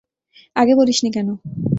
আগে বলিসনি কেন?